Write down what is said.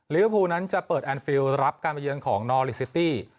ลิเวอร์ภูนั้นจะเปิดแอนดฟิลรับการมาเยือนของนอลิซิตี้